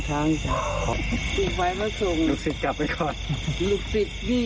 คุณผู้ชม